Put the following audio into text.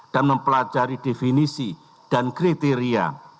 dan mempelajari definisi dan kriteria